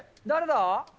誰だ？